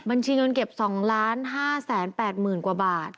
บัญชีเงินเก็บ๒๕๘๐๐๐กว่าบาท